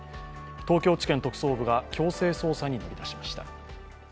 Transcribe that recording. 東京地検特捜部が強制捜査に乗り出しました。